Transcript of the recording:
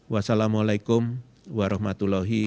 wassalamu'alaikum warahmatullahi wabarakatuh